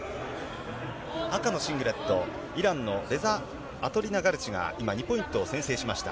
赤のシングレット、イランのレザ・アトリナガルチが今２ポイント先制しました。